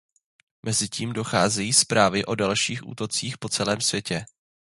Mezitím docházejí zprávy o dalších útocích po celém světě.